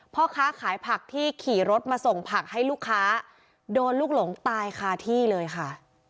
พ่อค้าขายผักที่ขี่รถมาส่งผักให้ลูกค้าโดนลูกหลงตายคาที่เลยค่ะ